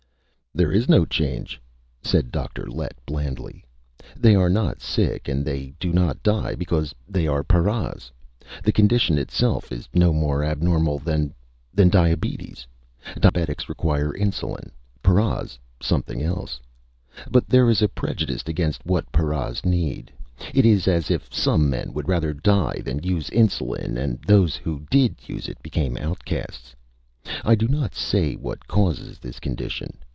"There is no change," said Dr. Lett blandly. "They are not sick and they do not die because they are paras. The condition itself is no more abnormal than ... than diabetes! Diabetics require insulin. Paras ... something else. But there is prejudice against what paras need! It is as if some men would rather die than use insulin and those who did use it became outcasts! I do not say what causes this condition.